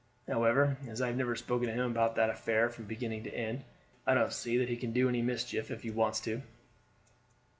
However, as I have never spoken to him about that affair from beginning to end, I don't see that he can do any mischief if he wants to."